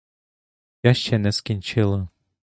Я ще не скінчила.